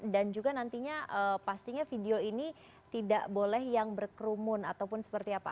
dan juga nantinya pastinya video ini tidak boleh yang berkerumun ataupun seperti apa